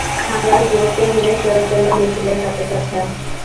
হাজারো যুবকের ভিড়ে সেও চলল মিছিলের সাথে সাথে।